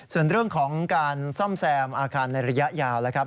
ส่วนเรื่องของการซ่อมแซมอาคารในระยะยาวแล้วครับ